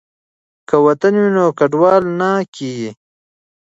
که وطن وي نو کډوال نه کیږي.